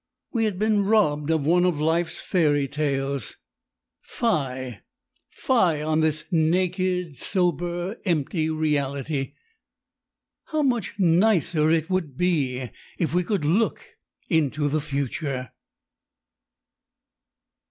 We had been robbed of one of life's fairy tales. Fie! Fie on this naked, sober, empty reality! How much nicer it would be if we could look into the future!